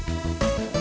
terima kasih ya